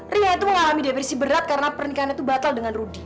ria itu mengalami depresi berat karena pernikahan itu batal dengan rudy